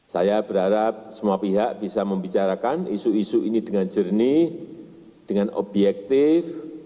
saya berharap semua pihak bisa membicarakan isu isu ini dengan jernih dengan objektif